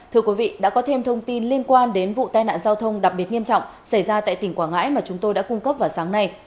thưa quý vị đã có thêm thông tin liên quan đến vụ tai nạn giao thông đặc biệt nghiêm trọng xảy ra tại tỉnh quảng ngãi mà chúng tôi đã cung cấp vào sáng nay